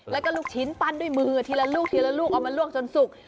แล้วก็ลูกชิ้นปั้นด้วยมือทีละลูกออกมาล่วงจนสุก